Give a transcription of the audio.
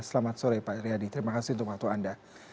selamat sore pak iryadi terima kasih untuk waktu anda